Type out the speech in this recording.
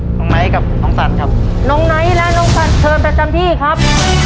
ไนท์กับน้องสันครับน้องไนท์และน้องสันเชิญประจำที่ครับ